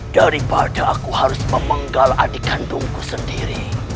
daripada aku harus memenggal adik kandungku sendiri